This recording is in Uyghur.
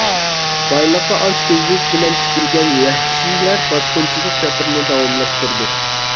بايلىققا ئاچ كۆزلۈك بىلەن تىكىلگەن ۋەھشىيلەر باسقۇنچىلىق سەپىرىنى داۋاملاشتۇردى.